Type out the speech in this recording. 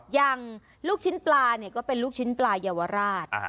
อย่างลูกชิ้นปลาเนี่ยก็เป็นลูกชิ้นปลาเยาวราช